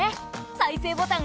再生ボタン。